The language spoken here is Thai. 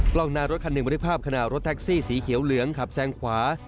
กล้องหน้ารถคันหนึ่งบันทึกภาพขณะรถแท็กซี่สีเขียวเหลืองขับแซงขวา